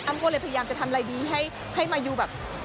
ก็เลยพยายามจะทำอะไรดีให้มายูแบบ